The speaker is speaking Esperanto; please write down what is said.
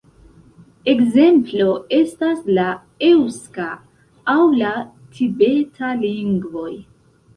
Ekzemplo estas la eŭska aŭ la tibeta lingvoj.